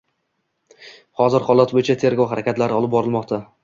Hozirda holat bo‘yicha tergov harakatlari olib borilmoqda